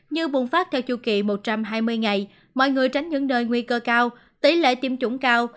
như bùng phát theo chu kỳ một trăm hai mươi ngày mọi người tránh những nơi nguy cơ cao tỷ lệ tiêm chủng cao